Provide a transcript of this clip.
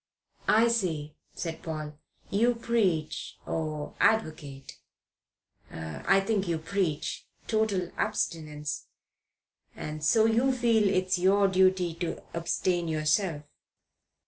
"I see," said Paul. "You preach, or advocate I think you preach total abstinence, and so feel it your duty to abstain yourself."